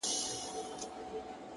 انسان د خپلې ژمنې په اندازه لوی وي,